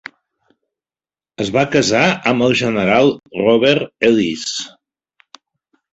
Es va casar amb el general Robert Ellice.